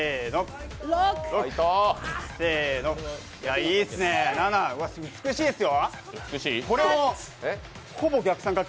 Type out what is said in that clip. いいっすね、美しいっすよ。